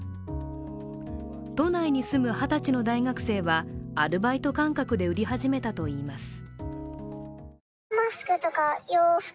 都内に住む二十歳の大学生は、アルバイト感覚で売り始めたといいます。